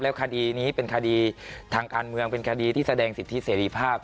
คดีนี้เป็นคดีทางการเมืองเป็นคดีที่แสดงสิทธิเสรีภาพ